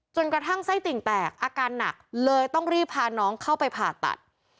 กระทั่งไส้ติ่งแตกอาการหนักเลยต้องรีบพาน้องเข้าไปผ่าตัด